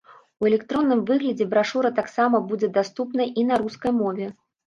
У электронным выглядзе брашура таксама будзе даступная і на рускай мове.